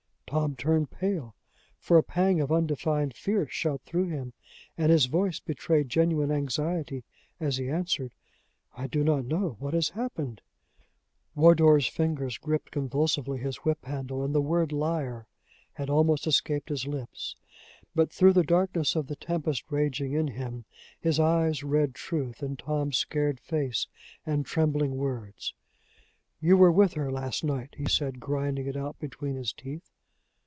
Tom turned pale, for a pang of undefined fear shot through him, and his voice betrayed genuine anxiety as he answered: "I do not know. What has happened?" Wardour's fingers gripped convulsively his whip handle, and the word liar had almost escaped his lips; but, through the darkness of the tempest raging in him, he yes read truth in Tom's scared face and trembling words. "You were with her last night," he said, grinding it out between his teeth.